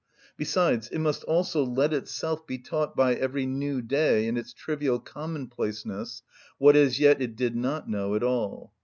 Besides, it must also let itself be taught by every new day in its trivial commonplaceness what as yet it did not know at all.